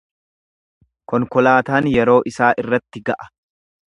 Konkolaataan yeroo isaa irratti ga’a.